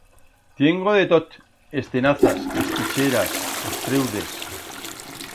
Tiengo de tot! Estenazas, estixeras, estreudes...